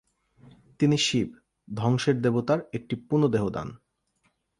তিনি শিব, ধ্বংসের দেবতার, একটি পুনঃদেহদান।